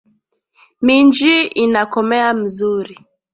Minji ina komeya muzuri